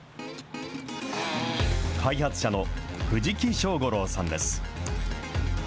開発者の藤木庄五郎さんです。